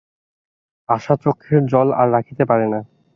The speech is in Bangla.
আশা চোখের জল আর রাখিতে পারে না।